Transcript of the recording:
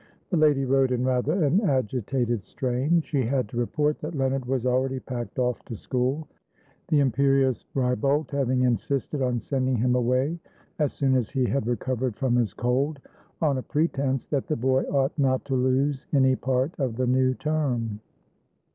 The lady wrote in rather an agitated strain; she had to report that Leonard was already packed off to school, the imperious Wrybolt having insisted on sending him away as soon as he had recovered from his cold, on a pretence that the boy ought not to lose any part of the new term.